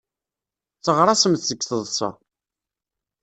Tteɣraṣemt seg teḍsa.